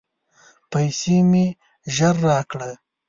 پیسې مي ژر راکړه !